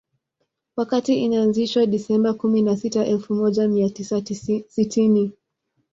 Wakati inaanzishwa Disemba kumi na sita elfu moja mia tisa sitini